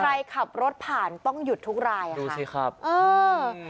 ใครขับรถผ่านต้องหยุดทุกรายอ่ะดูสิครับเออ